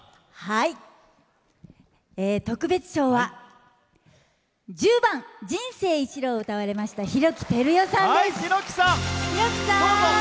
特別賞は１０番「人生一路」を歌われました、ひろきさんです。